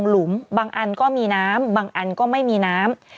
หลุมบางอันก็มีน้ำบางอันก็ไม่มีน้ำ